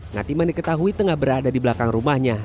ngatiman diketahui tengah berada di belakang rumahnya